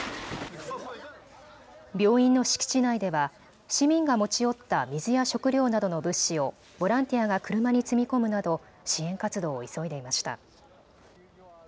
病院の敷地内では市民が持ち寄った水や食料などの物資をボランティアが車に積み込むなど支援活動を急いでいました。